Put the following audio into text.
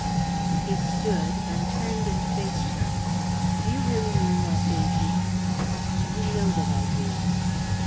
He stood, and turned, and faced her. "Do you really mean that, Daisy?" "You know that I do."